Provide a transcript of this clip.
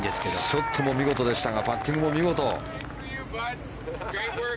ショットも見事でしたがパッティングも見事。